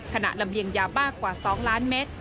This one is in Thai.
ลำเลียงยาบ้ากว่า๒ล้านเมตร